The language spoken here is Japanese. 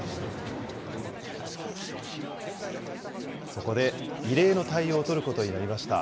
そこで、異例の対応を取ることになりました。